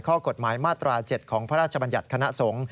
ข้อกฎหมายมาตรา๗ของพระราชบัญญัติคณะสงฆ์